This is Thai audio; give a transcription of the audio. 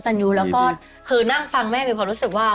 ตันยูแล้วก็คือนั่งฟังแม่มีความรู้สึกว่า